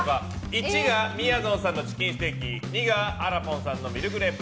１がみやぞんさんのチキンステーキ２があらぽんさんのミルクレープ。